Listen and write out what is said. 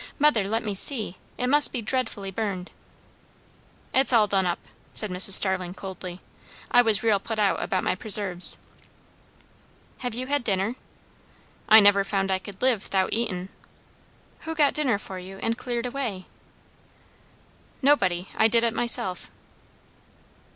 "Mother, let me see. It must be dreadfully burned." "It's all done up," said Mrs. Starling coldly. "I was real put out about my preserves." "Have you had dinner?" "I never found I could live 'thout eating." "Who got dinner for you, and cleared away?" "Nobody. I did it myself."